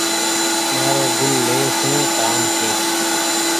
مآرو گل لي سون ڪآم ڇي۔